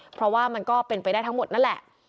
เพราะว่ามันก็เป็นไปได้ทั้งหมดนั่นแหละ